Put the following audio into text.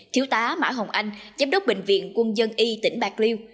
thiếu tá mã hồng anh giám đốc bệnh viện quân dân y tỉnh bạc liêu